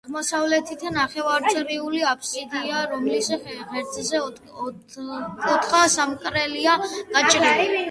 აღმოსავლეთით ნახევარწრიული აფსიდია, რომლის ღერძზე ოთხკუთხა სარკმელია გაჭრილი.